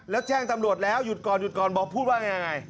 แล้วแจ้งตำรวจแล้วหยุดก่อนบอกพูดว่าอย่างไร